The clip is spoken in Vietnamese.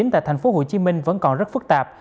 tại thành phố hồ chí minh vẫn còn rất phức tạp